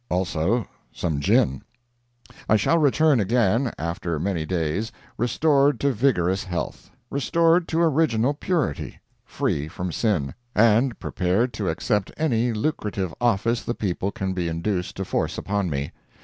Also some gin. I shall return again, after many days, restored to vigorous health; restored to original purity; free from sin, and prepared to accept any lucrative office the people can be induced to force upon me.